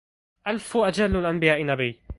ألف أجل الأنبياء نبي